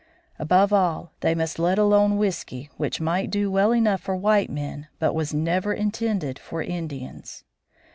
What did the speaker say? Above all, they must let alone whisky which might do well enough for white men, but was never intended for Indians.